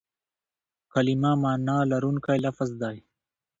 کلیمه مانا لرونکی لفظ دئ.